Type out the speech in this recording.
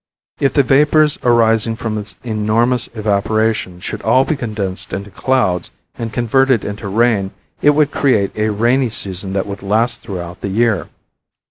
If the vapors arising from this enormous evaporation should all be condensed into clouds and converted into rain it would create a rainy season that would last throughout the year.